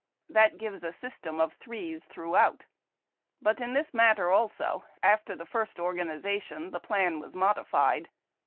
That gives a system of threes throughout. But in this matter also, after the first organization, the plan was modified.